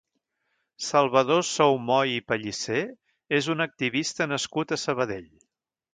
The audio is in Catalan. Salvador Saumoy i Pellicer és un activista nascut a Sabadell.